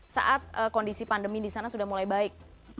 saat kondisi pandemi di sana sudah mulai baik